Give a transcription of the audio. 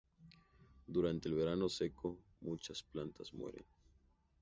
Durante el verano seco muchas plantas mueren.